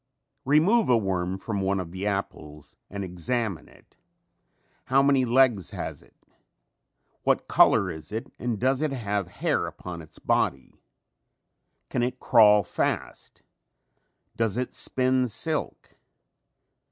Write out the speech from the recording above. Remove a worm from one of the apples and examine it. How many legs has it? What color is it and does it have hair upon its body? Can it crawl fast? Does it spin silk?